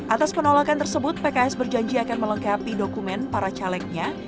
atas penolakan tersebut pks berjanji akan melengkapi dokumen para calegnya